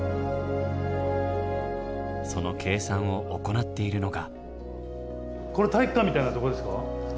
その計算を行っているのが。